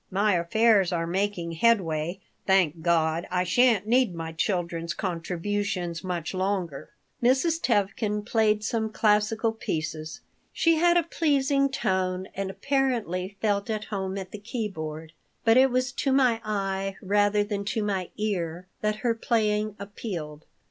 My affairs are making headway, thank God. I sha'n't need my children's contributions much longer." Mrs. Tevkin played some classical pieces. She had a pleasing tone and apparently felt at home at the keyboard, but it was to my eye rather than to my ear that her playing appealed.